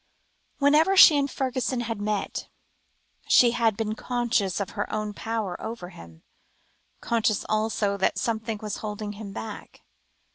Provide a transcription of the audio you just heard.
Whenever she and Fergusson had met, she had been conscious of her own power over him, conscious also that something was holding him back.